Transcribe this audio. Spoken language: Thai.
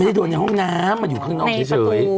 ไม่ได้โดนในห้องน้ำมันอยู่ข้างนอกเฉยในประตู